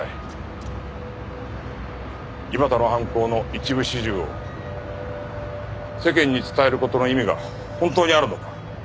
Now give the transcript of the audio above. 井端の犯行の一部始終を世間に伝える事の意味が本当にあるのか。